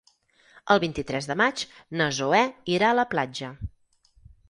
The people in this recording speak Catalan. El vint-i-tres de maig na Zoè irà a la platja.